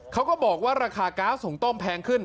เขาก็บอกว่าราคาก๊าซหุงต้มแพงขึ้น